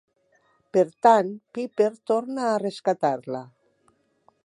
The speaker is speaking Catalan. Per tant, Pepper torna a rescatar-la ...